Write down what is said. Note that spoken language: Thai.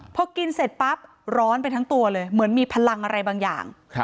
พอกินเสร็จปั๊บร้อนไปทั้งตัวเลยเหมือนมีพลังอะไรบางอย่าง